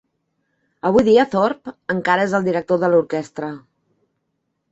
Avui dia, Thorpe encara és el director de l'orquestra.